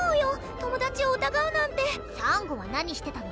友達をうたがうなんてさんごは何してたの？